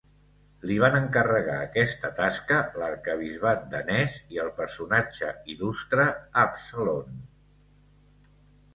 Li van encarregar aquesta tasca l'arquebisbat danès i el personatge il·lustre Absalon.